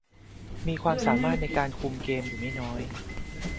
มีความสามารถในการคุมเกมอยู่ไม่น้อย